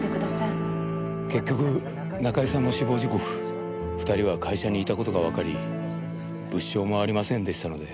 結局中井さんの死亡時刻２人は会社にいた事がわかり物証もありませんでしたので。